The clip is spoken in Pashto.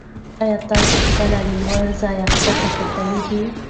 ایا تاسې کله له لوړ ځایه کښته کتلي دي؟